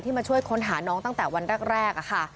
มาช่วยค้นหาน้องตั้งแต่วันแรกค่ะ